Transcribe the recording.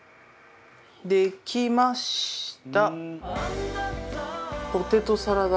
できました。